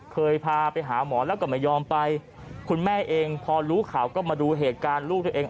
เคยพาไปหาหมอแล้วก็ไม่ยอมไปคุณแม่เองพอรู้ข่าวก็มาดูเหตุการณ์ลูกตัวเอง